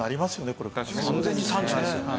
完全に産地ですよね。